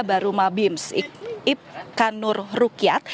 baru mabims ip kanur rukyat